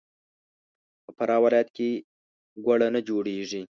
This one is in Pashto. په فراه ولایت کې ګوړه نه جوړیږي.